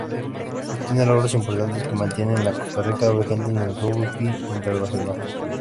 Se obtienen logros importantes que mantienen a Costa Rica vigente en el rugby internacional.